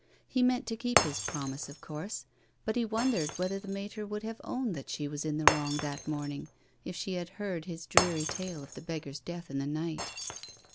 He meant to keep his promise, of course, but he wondered whether the Mater would have owned that she was in the wrong that morn ing if she had heard his dreary talc of the beggar's death in the night.